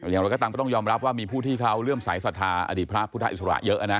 อย่างไรก็ตามก็ต้องยอมรับว่ามีผู้ที่เขาเลื่อมสายศรัทธาอดีตพระพุทธอิสระเยอะนะ